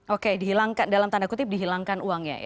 oke dalam tanda kutip dihilangkan uangnya ya